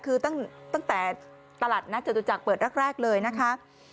คือตั้งแต่ตลาดนัดจตุจักรเปิดแรกเลยนะคะ